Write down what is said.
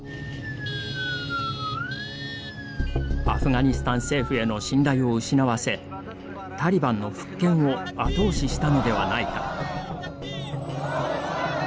アフガニスタン政府への信頼を失わせタリバンの復権を後押ししたのではないか。